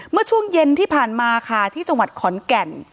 เมื่อช่วงเย็นที่ผ่านมาค่ะที่จังหวัดขอนแก่น